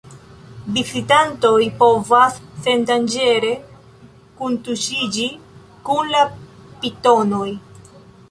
Vizitantoj povas sendanĝere kuntuŝiĝi kun la pitonoj.